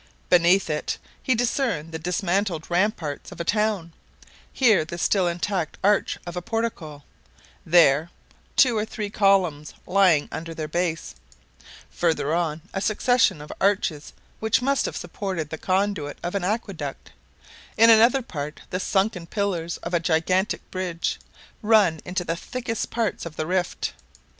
Beneath it he discerned the dismantled ramparts of a town; here the still intact arch of a portico, there two or three columns lying under their base; farther on, a succession of arches which must have supported the conduit of an aqueduct; in another part the sunken pillars of a gigantic bridge, run into the thickest parts of the rift.